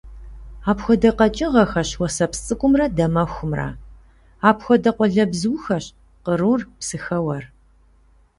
Апхуэдэ къэкӀыгъэхэщ уэсэпсцӀыкӀумрэ дамэхумрэ; апхуэдэ къуалэбзухэщ кърур, псыхэуэр.